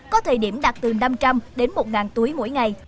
có thời điểm đạt từ năm trăm linh đến một túi mỗi ngày